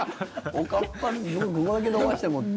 おかっぱにここだけ伸ばしてもっていう。